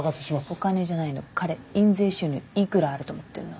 お金じゃないの彼印税収入いくらあると思ってんの？